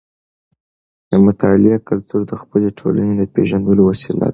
د مطالعې کلتور د خپلې ټولنې د پیژندلو وسیله ده.